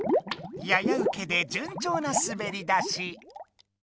ややウケでじゅんちょうなすべり出し。